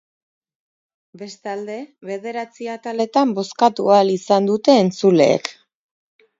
Bestalde, bederatzi ataletan bozkatu ahal izan dute entzuleek.